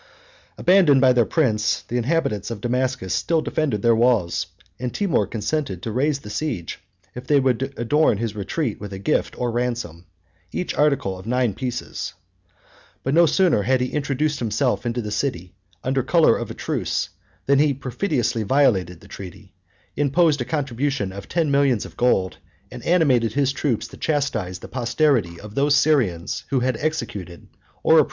Abandoned by their prince, the inhabitants of Damascus still defended their walls; and Timour consented to raise the siege, if they would adorn his retreat with a gift or ransom; each article of nine pieces. But no sooner had he introduced himself into the city, under color of a truce, than he perfidiously violated the treaty; imposed a contribution of ten millions of gold; and animated his troops to chastise the posterity of those Syrians who had executed, or approved, the murder of the grandson of Mahomet.